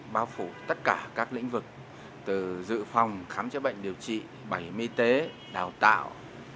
bao phủ tất cả các lĩnh vực từ dự phòng khám chữa bệnh điều trị bảy mỹ tế đào tạo